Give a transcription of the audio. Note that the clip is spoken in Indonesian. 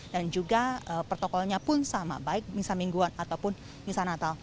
dan juga protokolnya pun sama baik misal mingguan ataupun misal natal